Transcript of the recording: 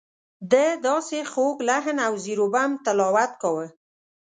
ده داسې خوږ لحن او زیر و بم تلاوت کاوه.